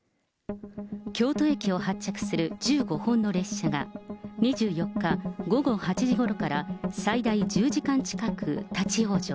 京都駅を発着する１５本の列車が２４日午後８時ごろから最大１０時間近く立往生。